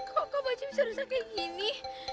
kok baju bisa rusak kayak gini